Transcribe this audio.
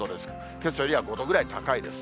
けさよりは５度ぐらい高いです。